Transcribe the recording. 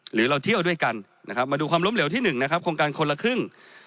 หรือเราเที่ยวด้วยกันมาดูความล้มเหลวที่หนึ่งโครงการคนละครึ่ง